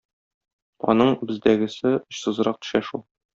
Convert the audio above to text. Аның бездәгесе очсызгарак төшә шул.